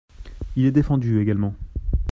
Il est défendu également.